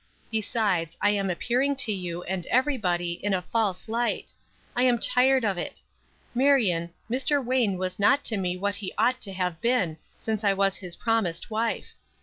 Besides, I am appearing to you, and everybody, in a false light. I am tired of it. Marion, Mr. Wayne was not to me what he ought to have been, since I was his promised wife.